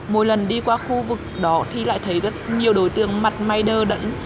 mỗi lần đi qua khu vực đó thì lại thấy rất nhiều đối tượng mặt may đơ đẫn